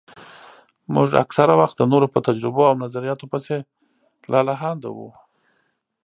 موږ اکثره وخت د نورو په تجربو او نظرياتو پسې لالهانده وو.